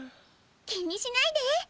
気にしないで。